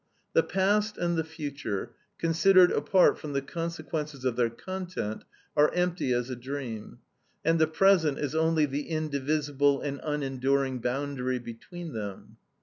The past and the future (considered apart from the consequences of their content) are empty as a dream, and the present is only the indivisible and unenduring boundary between them.